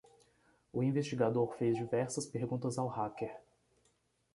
O investigador fez diversas perguntas ao hacker.